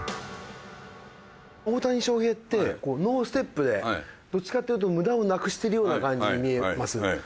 大谷翔平ってノーステップでどっちかっていうと無駄をなくしてるような感じに見えます。